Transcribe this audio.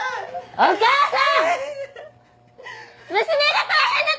お母さーん！